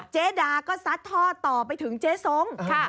เจดาก็ซัดท่อต่อไปถึงเจสงค์ค่ะ